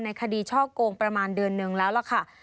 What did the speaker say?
คดีช่อกงประมาณเดือนนึงแล้วล่ะค่ะ